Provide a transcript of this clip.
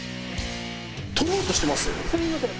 取ろうとしてますよね？